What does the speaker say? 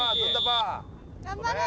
頑張れ！